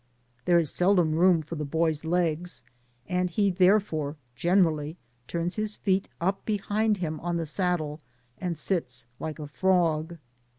There is seldom room for the boy's legs, and he therefore generally turns his feet up behind him on the saddle, and sits like a ficog.